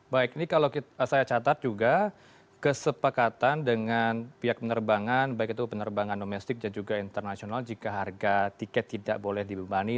baik ini kalau saya catat juga kesepakatan dengan pihak penerbangan baik itu penerbangan domestik dan juga internasional jika harga tiket tidak boleh dibebani